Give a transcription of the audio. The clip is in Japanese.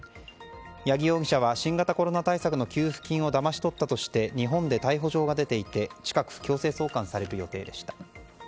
八木容疑者は新型コロナ対策の給付金をだまし取ったとして日本で逮捕状が出ていて近く強制送還される予定でした。